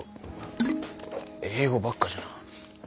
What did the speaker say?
英語ばっかじゃな。